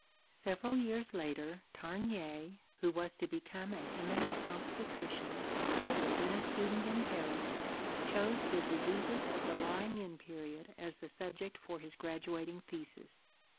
Several years later Tarnier, who was to become an eminent obstetrician, but was then a student in Paris, chose the diseases of the lying in period as the subject for his graduating thesis.